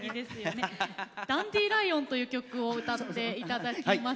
「ダンディライオン」という曲を歌っていただきます。